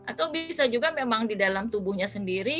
atau bisa juga memang di dalam tubuhnya sendiri